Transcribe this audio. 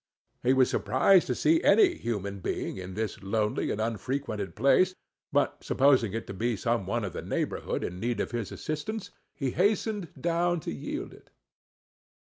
He was surprised to see any human being in this lonely and unfrequented place, but supposing it to be some one of the neighborhood in need of his assistance, he hastened down to yield it.